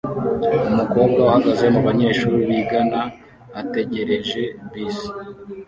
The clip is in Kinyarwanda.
Umukobwa uhagaze mubanyeshuri bigana ategereje bisi